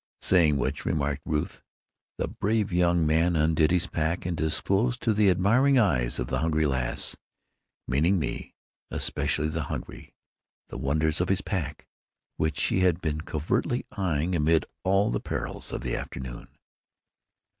"Saying which," remarked Ruth, "the brave young man undid his pack and disclosed to the admiring eyes of the hungry lass—meaning me, especially the 'hungry'—the wonders of his pack, which she had been covertly eying amid all the perils of the afternoon."